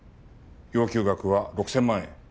要求額は６０００万円。